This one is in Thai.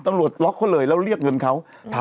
อัตราของสินค้านั้น